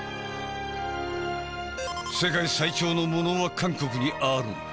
世界最長のものは韓国にある。